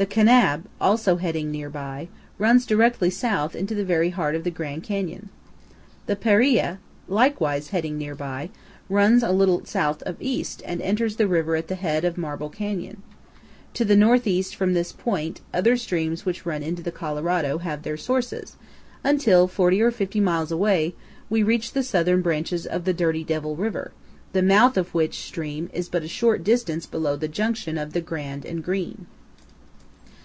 The Kanab, also heading near by, runs directly south into the very heart of the Grand Canyon. The Paria, likewise heading near by, runs a little south of east and enters the river at the head of Marble Canyon. To the northeast from this point, other streams which run into the Colorado have their sources, until, 40 or 50 miles away, we reach the 290 CANYONS OF THE COLORADO. southern branches of the Dirty Devil River, the mouth of which stream is but a short distance below the junction of the Grand and Green.